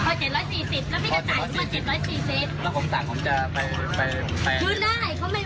แต่กลบตัวละ๑๐๐เลยเยอะ